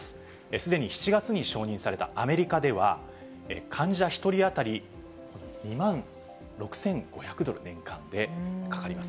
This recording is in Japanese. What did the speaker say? すでに７月に承認されたアメリカでは、患者１人当たり２万６５００ドル、年間でかかります。